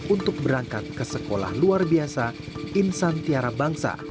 untuk berangkat ke sekolah luar biasa insantiara bangsa